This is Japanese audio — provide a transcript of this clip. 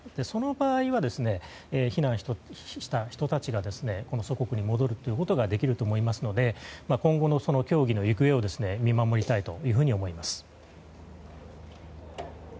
その場合、避難した人たちが祖国に戻ることができると思いますので今後の協議の行方を見守りたいというふうに思います。